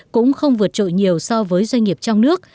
cũng không vượt trội nhiều so với doanh nghiệp trong nước